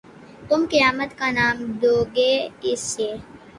تم قیامت کا نام دو گے اِسے